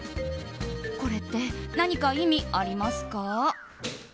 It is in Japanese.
これって何か意味ありますか？